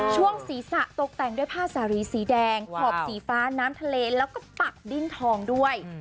ช่วงศีรษะตกแต่งด้วยผ้าสารีสีแดงขอบสีฟ้าน้ำทะเลแล้วก็ปักดิ้นทองด้วย